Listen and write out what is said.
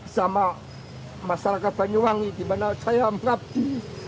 sama masyarakat banyuwangi di mana saya mengabdi